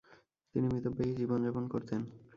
তিনি মিতব্যয়ী জীবন যাপন করতেন।